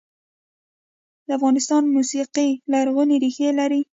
د افغانستان موسیقي لرغونې ریښې لري